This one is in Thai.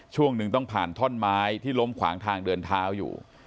ช่วงหนึ่งต้องผ่านท่อนไม้ที่ล้มขวางทางเดินเท้าอยู่